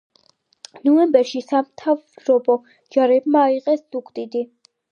ნოემბერში სამთავრობო ჯარებმა აიღეს ზუგდიდი.